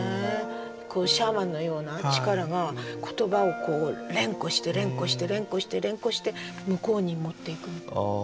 シャーマンのような力が言葉を連呼して連呼して連呼して連呼して向こうに持っていくみたいな。